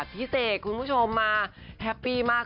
พี่เสกคุณผู้ชมมาแฮปปี้มาก